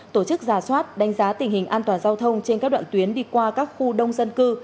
tổ chức giả soát đánh giá tình hình an toàn giao thông trên các đoạn tuyến đi qua các khu đông dân cư